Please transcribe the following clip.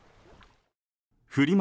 フリマ